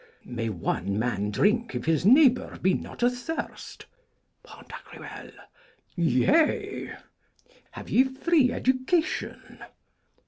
May one man drink if his neighbour be not athirst? Pan.: Yea! Have ye Free Education?